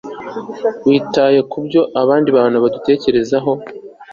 Witaye kubyo abandi bantu badutekerezaho